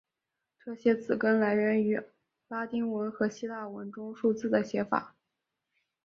这些词根来源于拉丁文和希腊文中数字的写法。